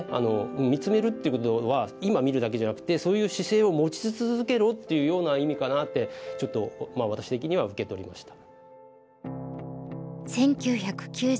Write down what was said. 見つめるっていうことは今見るだけじゃなくてそういう姿勢を持ち続けろっていうような意味かなってちょっと私的には受け取りました。